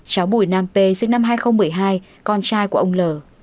cháu bùi nam p sinh năm hai nghìn một mươi hai con trai của ông l